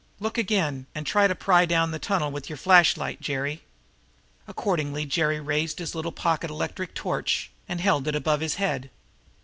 Look again and try to pry down that tunnel with your flash light, Jerry." Accordingly Jerry raised his little pocket electric torch and held it above his head.